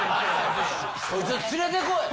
そいつを連れてこい！